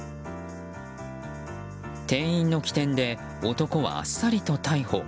店員の機転で男はあっさりと逮捕。